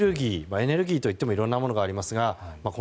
エネルギーといってもいろいろなものがありますが。